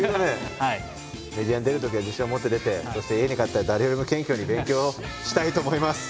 メディアに出るときは自信を持って出てそして家に帰ったら誰よりも謙虚に勉強をしたいと思います。